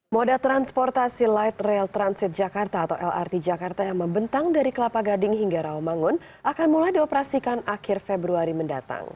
moda transportasi light rail transit jakarta atau lrt jakarta yang membentang dari kelapa gading hingga rawamangun akan mulai dioperasikan akhir februari mendatang